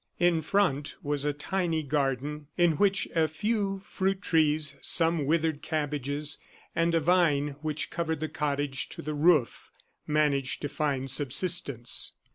In front was a tiny garden, in which a few fruit trees, some withered cabbages, and a vine which covered the cottage to the roof, managed to find subsistence.